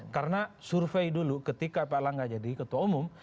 karena survey dulu ketika pak erlangga jadi ketua umum